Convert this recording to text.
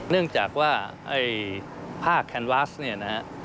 เนื่องจากว่าไอ้ผ้าแคนวาสเนี่ยนะฮะ